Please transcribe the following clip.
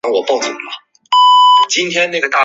眼斑棘蛙为蛙科蛙属的两栖动物。